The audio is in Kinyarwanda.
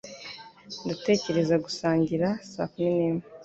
Ndatekereza gusangira saa kumi n'imwe